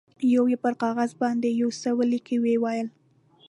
یوه یې پر کاغذ باندې یو څه ولیکل، ویې ویل.